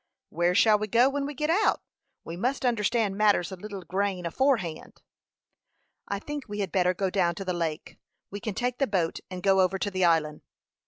"Where shall we go when we get out? We must understand matters a leetle grain aforehand." "I think we had better go down to the lake. We can take the boat and go over to the island."